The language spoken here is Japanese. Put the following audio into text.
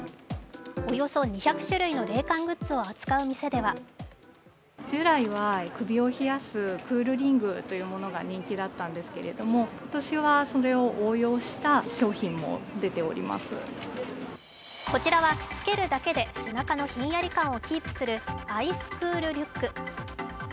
およそ２００種類の冷感グッズを扱う店ではこちらは、つけるだけで背中のひんやり感をキープするアイスクールリュック。